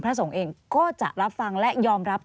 สงฆ์เองก็จะรับฟังและยอมรับ